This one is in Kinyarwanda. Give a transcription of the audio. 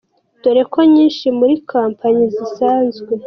Dore ko nyinshi muri kompanyi zisanzwe.